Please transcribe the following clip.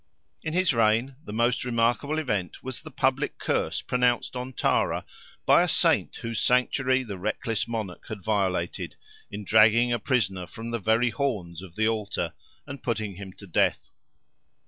In his reign, the most remarkable event was the public curse pronounced on Tara, by a Saint whose sanctuary the reckless monarch had violated, in dragging a prisoner from the very horns of the altar, and putting him to death.